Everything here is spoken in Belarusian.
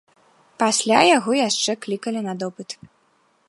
Пасля яго яшчэ клікалі на допыт.